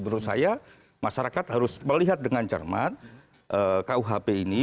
menurut saya masyarakat harus melihat dengan cermat kuhp ini